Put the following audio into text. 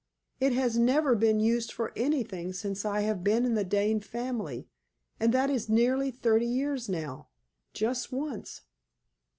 "It has never been used for anything since I have been in the Dane family, and that is nearly thirty years now just once!"